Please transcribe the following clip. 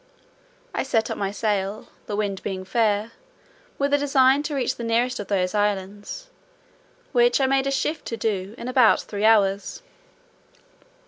I set up my sail, the wind being fair, with a design to reach the nearest of those islands, which I made a shift to do, in about three hours.